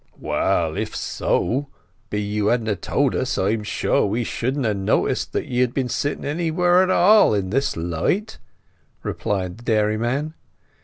"Well—if so be you hadn't told us, I am sure we shouldn't ha' noticed that ye had been sitting anywhere at all in this light," replied the dairyman.